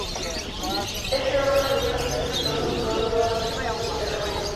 Este horno resultó tan exitoso, que pronto todas sus franquicias solicitaron uno.